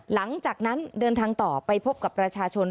หลังจากนั้นเดินทางต่อไปพบกับประชาชน